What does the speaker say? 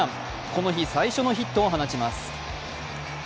この日、最初のヒットを放ちます。